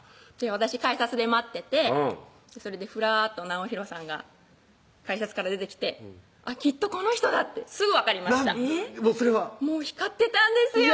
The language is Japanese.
私改札で待っててそれでフラーッと直洋さんが改札から出てきてきっとこの人だってすぐ分かりましたそれは光ってたんですよ